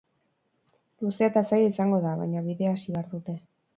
Luzea eta zaila izango da, baina bidea hasi behar dute.